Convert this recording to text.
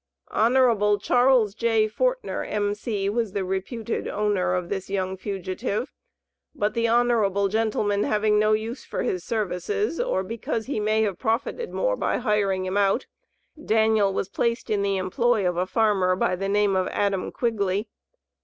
Hon. Charles J. Fortner, M.C. was the reputed owner of this young fugitive, but the honorable gentleman having no use for his services, or because he may have profited more by hiring him out, Daniel was placed in the employ of a farmer, by the name of Adam Quigley.